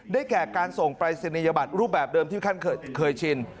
แก่การส่งปรายศนียบัตรรูปแบบเดิมที่ท่านเคยชิน